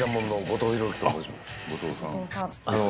後藤さん。